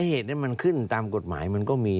เหตุนี้มันขึ้นตามกฎหมายมันก็มี